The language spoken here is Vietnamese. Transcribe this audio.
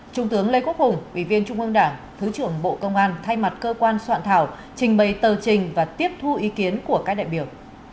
trung tướng lê quốc hùng ủy viên trung ương đảng thứ trưởng bộ công an thay mặt cơ quan soạn thảo trình bày tờ trình và tiếp thu ý kiến của các đại biểu